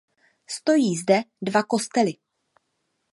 Stojí zde dva kostely.